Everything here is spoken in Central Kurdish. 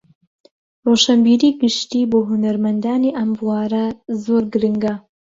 ڕۆشنبیریی گشتی بۆ هونەرمەندانی ئەم بوارە زۆر گرنگە